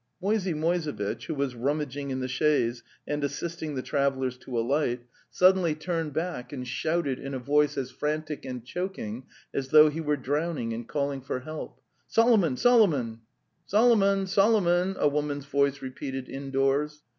"' Moisey Moisevitch, who was rummaging in the chaise and assisting the travellers to alight, suddenly The Steppe 189 turned back and shouted in a voice as frantic and choking as though he were drowning and calling for help: "Solomon! Solomon!" 'Solomon! Solomon! "' a woman's voice repeated indoors.